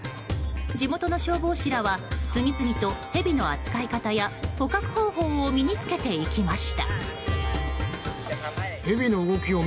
地元の消防士らは次々とヘビの扱い方や捕獲方法を身に付けていきます。